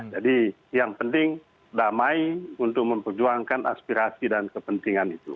jadi yang penting damai untuk memperjuangkan aspirasi dan kepentingan itu